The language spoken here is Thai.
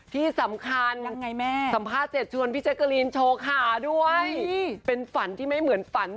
ที่สำคัญสัมภาษณ์เสร็จชวนพี่แจ๊กกะลีนโชว์ขาด้วยเป็นฝันที่ไม่เหมือนฝัน